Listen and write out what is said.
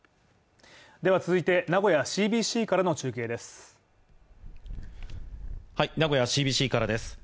では続いて名古屋ＣＢＣからの中継です。